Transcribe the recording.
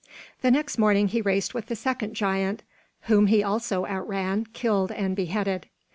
The next morning he raced with the second giant, whom he also outran, killed and beheaded.